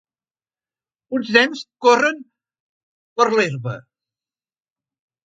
Uns nens corren per l'herba.